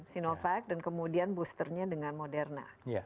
sinovac dan kemudian boosternya dengan moderna